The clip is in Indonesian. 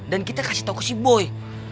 dan kita kasih tau ke si boy